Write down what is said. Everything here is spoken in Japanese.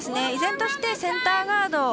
依然としてセンターガード